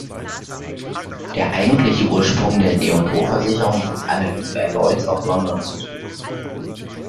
Der eigentliche Ursprung der D&O-Versicherung ist allerdings bei Lloyd’s of London zu suchen.